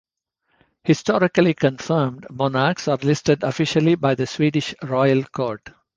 Historically confirmed monarchs are listed officially by the Swedish Royal Court.